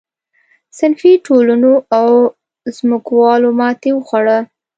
صنفي ټولنو او ځمکوالو ماتې وخوړه.